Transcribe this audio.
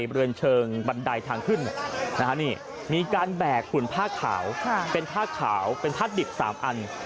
บริเวณเชิงบันไดทางขึ้นมีการแบกหุ่นผ้าขาวเป็นผ้าขาวเป็นผ้าดิบ๓อัน